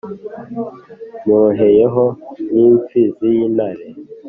Muroheyeho nk’imfizi y’intare